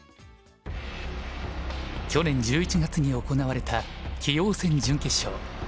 去年１１月に行われた棋王戦準決勝。